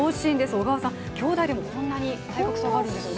小川さん兄弟でもこんなに体格差があるんですね。